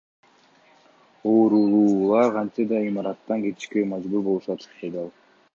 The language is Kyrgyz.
Оорулуулар кантсе да имараттан кетишке мажбур болушат, — деди ал.